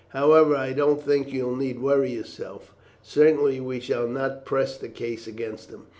However, I don't think you need worry yourself. Certainly, we shall not press the case against him.